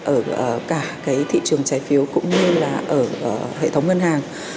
ở cả cái thị trường trái phiếu cũng như là ở hệ thống ngân hàng